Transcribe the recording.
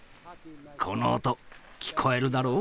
この音聞こえるだろう？